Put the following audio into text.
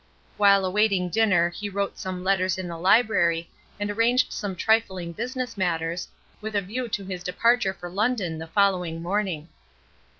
While awaiting dinner he wrote some letters in the library and arranged some trifling business matters, with a view to his departure for London the following morning.